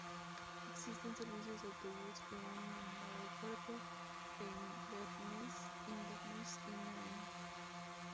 Existen servicios de autobús que unen el aeropuerto de Inverness, Inverness y Nairn.